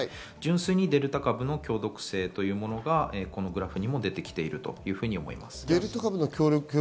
純粋にデルタ株の強毒性と呼ぶのがグラフにも出てきていると思います。